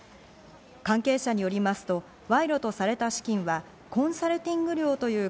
関係者によりますと、賄賂とされた資金はコンサルティング料という